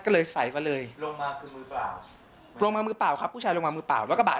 ใช่มายืนรออยู่ท้ายรถกระบาด